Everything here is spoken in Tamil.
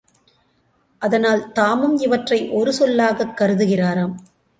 அதனால் தாமும் இவற்றை ஒரு சொல்லாகக் கருதுகிறாராம்.